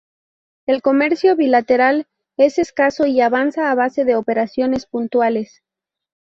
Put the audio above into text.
El comercio bilateral es escaso y avanza a base de operaciones puntuales.